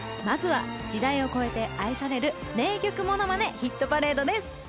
まずは時代を超えて愛される名曲ものまねヒットパレードです！